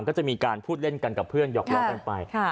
ก็จะมีการพูดเล่นกันกับเพื่อนหยอกล้อกันไป